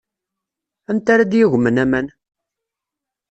Anta ara d-yagmen aman?